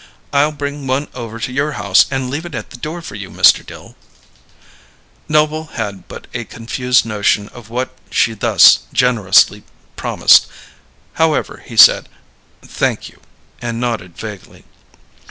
I'll bring one over to your house and leave it at the door for you, Mr. Dill." Noble had but a confused notion of what she thus generously promised. However, he said, "Thank you," and nodded vaguely.